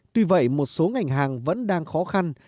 tuy vậy một số ngành hàng vẫn đang khó khăn